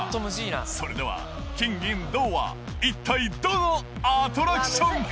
それでは、金銀銅は一体どのアトラクションか。